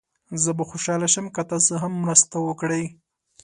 زه به خوشحال شم که تاسو هم مرسته وکړئ.